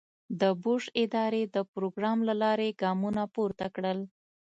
د بوش ادارې د پروګرام له لارې ګامونه پورته کړل.